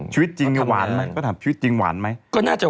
ชีวิตจริงหวานไหม